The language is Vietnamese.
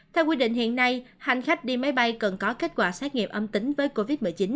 theo quy định hiện nay hành khách đi máy bay cần có kết quả xét nghiệm âm tính với covid một mươi chín